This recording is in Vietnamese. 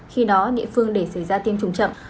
khi đó địa phương để xảy ra tiêm chủng chậm